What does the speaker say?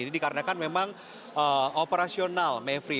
ini dikarenakan memang operasional mevri